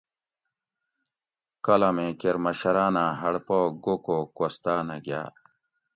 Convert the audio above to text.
کالامیں کیر مشراۤناں ھڑ پا گوکو کوستاۤنہ گاۤ